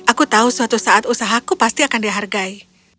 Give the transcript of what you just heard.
aku tahu suatu saat usahaku pasti akan dihargai